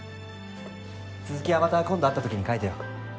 続きはまた今度会った時に描いてよ。